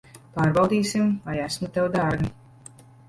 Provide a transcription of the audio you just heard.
Pārbaudīsim, vai esmu tev dārga.